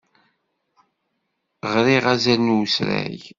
Ɣriɣ azal n usrag.